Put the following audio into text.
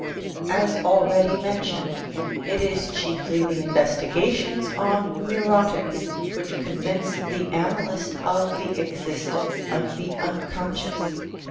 As already mentioned, it is chiefly the investigations on neurotics which convince the analyst of the existence of the unconscious.